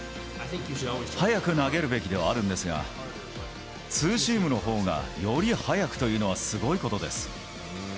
速く投げるべきではあるんですが、ツーシームのほうがより速くというのはすごいことです。